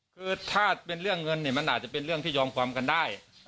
คือถ้าเป็นเรื่องเงินเนี่ยมันอาจจะเป็นเรื่องที่ยอมความกันได้